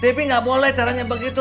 debi gak boleh caranya begitu